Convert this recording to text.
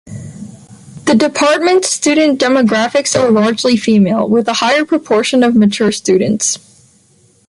The department's student demographics are largely female, with a higher proportion of mature students.